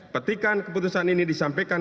petikan keputusan ini disampaikan